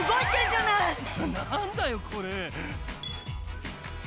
何だよこれ。